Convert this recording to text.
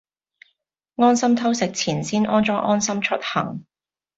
安心偷食前先安裝安心出行